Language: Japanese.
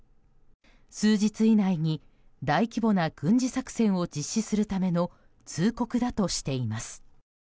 数日以内に大規模な軍事作戦を実施するための通告だとしています。